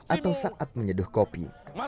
atau saat menyeduh kopi